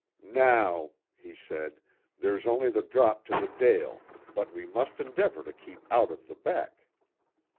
"Now," he said, "there's only the drop to the dale, but we must endeavour to keep out of the beck."